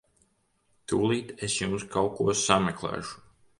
Tūlīt es jums kaut ko sameklēšu.